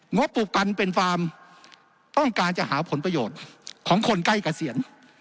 บปลูกกันเป็นฟาร์มต้องการจะหาผลประโยชน์ของคนใกล้เกษียณ